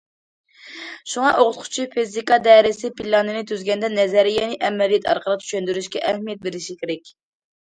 شۇڭا، ئوقۇتقۇچى فىزىكا دەرسى پىلانىنى تۈزگەندە نەزەرىيەنى ئەمەلىيەت ئارقىلىق چۈشەندۈرۈشكە ئەھمىيەت بېرىشى كېرەك.